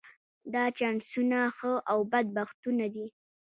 دا چانسونه ښه او بد بختونه دي.